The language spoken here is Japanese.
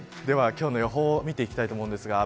では、今日の予報を見ていきたいと思います。